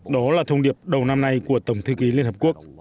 đó là thông điệp đầu năm nay của tổng thư ký liên hợp quốc